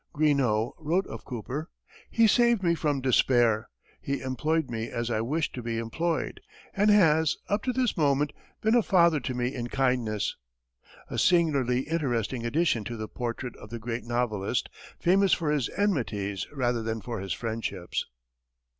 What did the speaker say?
Greenough wrote of Cooper, "he saved me from despair; he employed me as I wished to be employed; and has, up to this moment, been a father to me in kindness" a singularly interesting addition to the portrait of the great novelist, famous for his enmities rather than for his friendships.